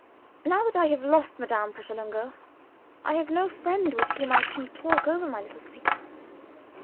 Now that I have lost Madame Pratolungo, I have no friend with whom I can talk over my little secrets.